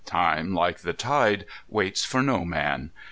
Time, like the tide, waits for no man.